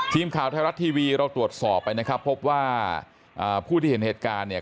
ทีมข่าวไทยรัฐทีวีเราตรวจสอบไปนะครับพบว่าอ่าผู้ที่เห็นเหตุการณ์เนี่ย